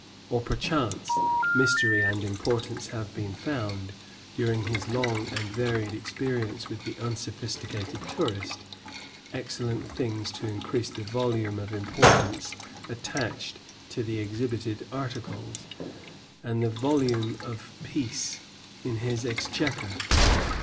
Or, perchance, mystery and importance have been found, during his long and varied experience with the unsophisticated tourist, excellent things to increase the volume of importance attached to the exhibited articles, and the volume of "pice" in his exchequer.